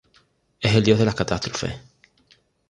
Es el dios de las catástrofes.